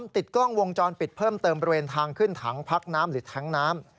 ติดกล้องวงจรปิดเพิ่มเติมบริเวณทางขึ้นถังพักน้ำหรือแท้งน้ำ